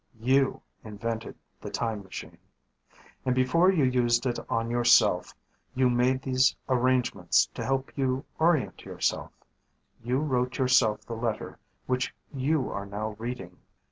You invented the time machine. And before you used it on yourself, you made these arrangements to help you orient yourself. You wrote yourself the letter which you are now reading.